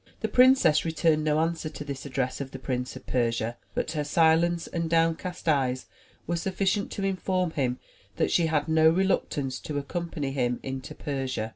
The princess returned no answer to this address of the Prince of Persia; but her silence and down cast eyes were sufficient to inform him that she had no reluctance to accompany him into Persia.